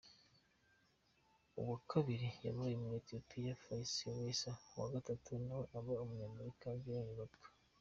Uwa kabiri yabaye Umunyethiopia Feyisa Lilesa uwa gatatu nawe aba Umunyamerika Galen Rupp.